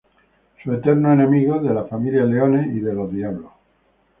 Sus eternos enemigos de la Familia Leone y de los Diablos.